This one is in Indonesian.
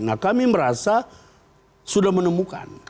nah kami merasa sudah menemukan